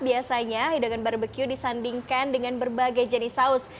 biasanya hidangan barbecue disandingkan dengan berbagai jenis saus